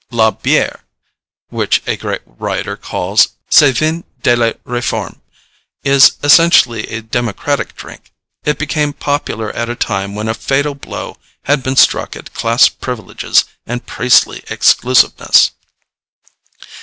"La bière," which a great writer calls "ce vin de la réforme," is essentially a democratic drink. It became popular at a time when a fatal blow had been struck at class privileges and priestly exclusiveness.